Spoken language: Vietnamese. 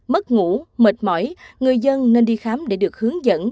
mất ngủ mệt mỏi người dân nên đi khám để được hướng dẫn